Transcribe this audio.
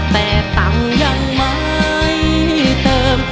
แต่ตังค์ยังไม่เติม